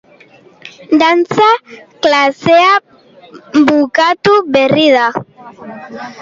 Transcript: Dantza klasea bukatu berri da.